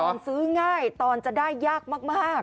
ซื้อง่ายตอนจะได้ยากมาก